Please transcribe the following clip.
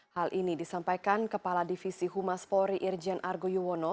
hal ini disampaikan kepala divisi humas polri irjen argo yuwono